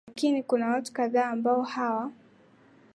lakini kuna watu kadhaa ambao hawa